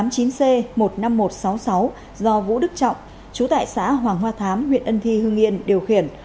chín mươi chín c một mươi năm nghìn một trăm sáu mươi sáu do vũ đức trọng chú tại xã hoàng hoa thám huyện ân thi hương yên điều khiển